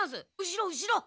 後ろ後ろ！